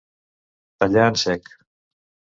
Tallar en sec.